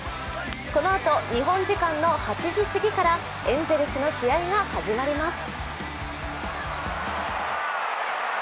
このあと日本時間の８時すぎからエンゼルスの試合が始まります。